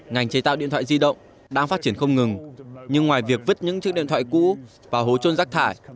ngành chế tạo điện thoại di động đang phát triển không ngừng nhưng ngoài việc vứt những chiếc điện thoại cũ và hố trôn rác thải